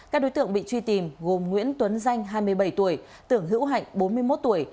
các đối tượng bị truy tìm gồm nguyễn tuấn danh hai mươi bảy tuổi tưởng hữu hạnh bốn mươi một tuổi